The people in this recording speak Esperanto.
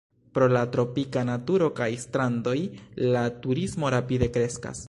Pro la tropika naturo kaj strandoj la turismo rapide kreskas.